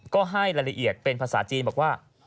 ก็ให้รายละเอียดเป็นภาษาจีนบอกว่า